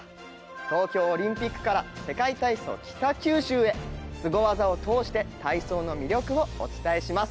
東京オリンピックから世界体操北九州へスゴ技を通して体操の魅力をお伝えします。